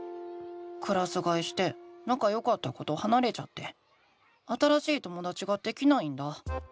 クラスがえしてなかよかった子とはなれちゃって新しいともだちができないんだ。